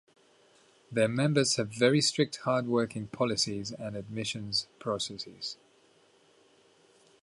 Their members have very strict hard working policies and admissions processes.